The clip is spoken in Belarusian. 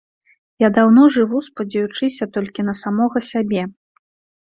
Я даўно жыву, спадзеючыся толькі на самога сябе.